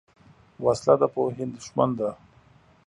وسله د پوهې دښمن ده